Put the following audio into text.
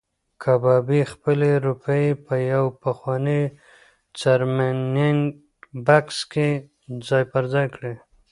کبابي خپلې روپۍ په یو پخواني څرمنین بکس کې ځای پر ځای کړې.